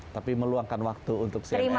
tapi meluangkan waktu untuk cnn indonesia